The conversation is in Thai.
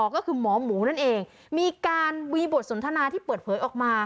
ก็คือหมอหมูนั่นเองมีการมีบทสนทนาที่เปิดเผยออกมา